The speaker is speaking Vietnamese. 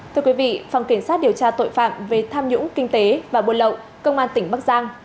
thưa quý vị phòng kiểm sát điều tra tội phạm về tham nhũng kinh tế và buôn lậu công an tỉnh bắc giang